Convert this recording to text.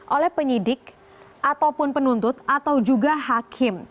oleh penyidik ataupun penuntut atau juga hakim